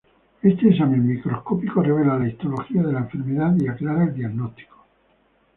Este examen microscópico revela la histología de la enfermedad y aclara el diagnóstico.